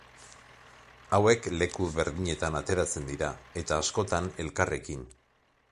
Hauek leku berdinetan ateratzen dira, eta askotan elkarrekin.